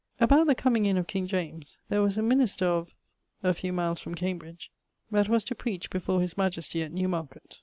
]: About the comeing in of king James, there was a minister of ... (a few miles from Cambridge), that was to preach before his majestie at New market.